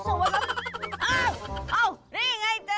ว่ะพี่จิตตาวาดีค่ะ